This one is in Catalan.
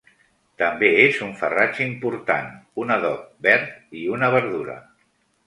També és un farratge important, un adob verd i una verdura.